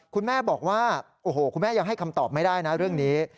คุณแม่บอกว่าโอ้โหคุณแม่ยังให้คำตอบไม่ได้นะเรื่องนี้